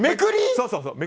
そうそう。